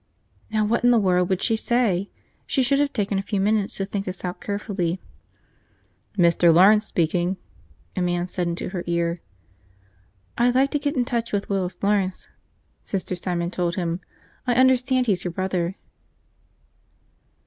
Now what in the world would she say? She should have taken a few minutes to think this out carefully. "Mr. Lawrence speaking," a man said into her ear. "I'd like to get in touch with Willis Lawrence," Sister Simon told him. "I understand he's your brother."